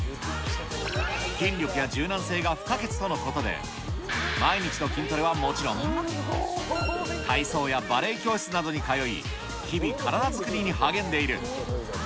筋力や柔軟性が不可欠とのことで、毎日の筋トレはもちろん、体操やバレエ教室などに通い、日々、体作りに励んでいる。